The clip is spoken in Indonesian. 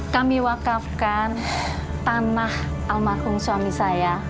kami wakafkan tanah almarhum suami saya